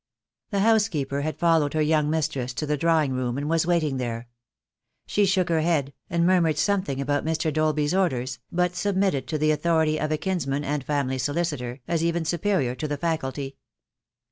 The housekeeper had followed her young mistress to the drawing room door, and was waiting there. She shook her head, and murmured something about Mr. Dolby's orders, but submitted to the authority of a kins man and family solicitor, as even superior to the faculty.